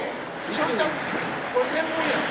栞里ちゃんこれ専門やん。